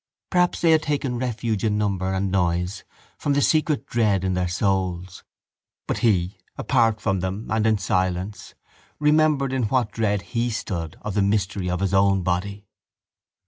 Perhaps they had taken refuge in number and noise from the secret dread in their souls. But he, apart from them and in silence, remembered in what dread he stood of the mystery of his own body.